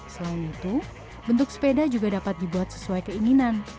selain itu bentuk sepeda juga dapat dibuat sesuai keinginan